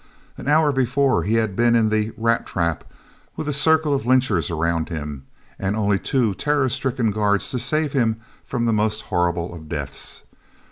An hour before he had been in the "rat trap" with a circle of lynchers around him, and only two terror stricken guards to save him from the most horrible of deaths.